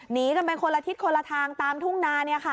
หนีกันไปคนละทิศคนละทางตามทุ่งนา